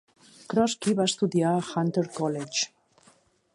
Kroski va estudiar a Hunter College.